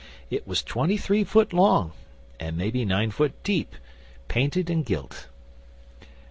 It was twenty three foot long, and maybe nine foot deep painted and gilt.